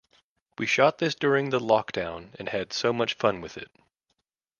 We shot this during the lockdown and had so much fun with it.